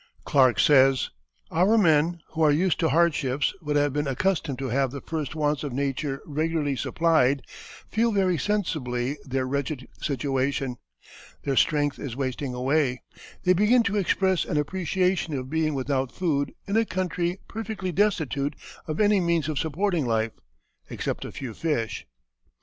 Clark says: "Our men, who are used to hardships, but have been accustomed to have the first wants of nature regularly supplied, feel very sensibly their wretched situation; their strength is wasting away; they begin to express an apprehension of being without food in a country perfectly destitute of any means of supporting life, except a few fish."